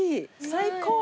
最高。